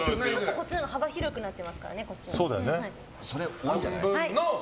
こっちのほうが幅広くなってますから。